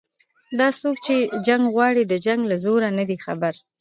دا څوک چې جنګ غواړي د جنګ له زوره نه دي خبر